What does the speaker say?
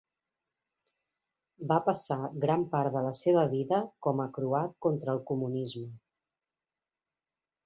Va passar gran part de la seva vida com a croat contra el comunisme.